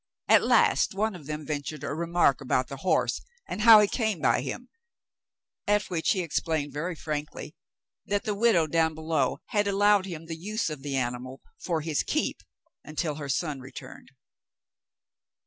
At last one of them ventured a remark about the horse and how he came by him, at which he explained very frankly that the widow down below had allowed him the use of the animal for his keep until her son returned.